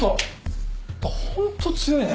ホント強いね。